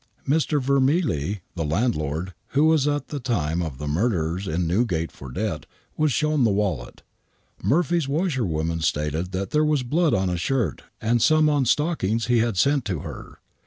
Mr. Vermilee, the landlord, who was at the time of the murders in Newgate for debt, was shown the wallet. Murphy's washer woman stated that there was blood on a shirt and on some stock ings he had sent to her.